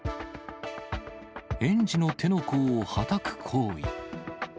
園児の手の甲をはたく行為。